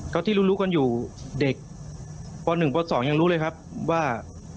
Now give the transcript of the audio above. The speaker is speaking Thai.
ก็ที่รู้รู้กันอยู่เด็กป๑ป๒ยังรู้เลยครับว่า